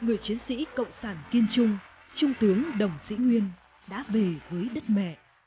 người con người chiến sĩ cộng sản kiên trung trung tướng đồng sĩ nguyên đã về với đất mẹ